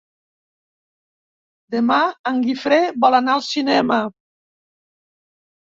Demà en Guifré vol anar al cinema.